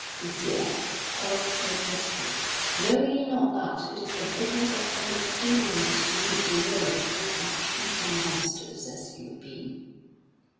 "Messire," quoth Sir Tristram, "know ye not that it is the business of every true knight to rid the world of all such evil monsters as you be?"